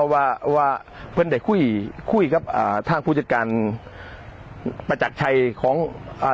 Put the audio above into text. ว่าเพื่อนจะคุ้ยคุ้ยครับอ่าทางผู้จัดการมาจากไทยของอ่า